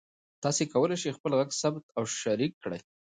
تاسي کولای شئ خپل غږ ثبت او شریک کړئ.